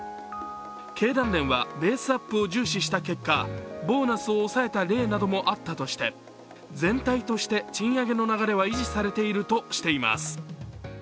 経団連はベースアップを重視した結果、ボーナスを抑えた例などもあったとして全体として賃上げの流れは維持されているとしています。